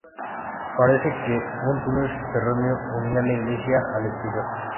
Parece que un túnel subterráneo unía la iglesia al exterior.